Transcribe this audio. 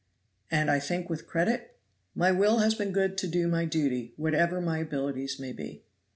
"And I think with credit?" "My will has been good to do my duty, whatever my abilities may be."